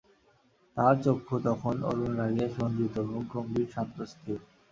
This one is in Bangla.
তাঁহার চক্ষু তখন অরুণরাগে রঞ্জিত, মুখ গম্ভীর, শান্ত, স্থির।